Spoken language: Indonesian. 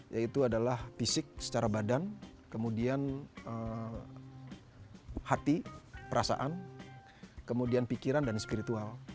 yaitu adalah fisik secara badan kemudian hati perasaan kemudian pikiran dan spiritual